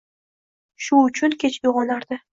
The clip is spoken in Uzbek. Shu uchun kech uyg‘onardi.